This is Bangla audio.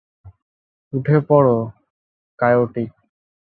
উঠে পড়ো, কায়োটি।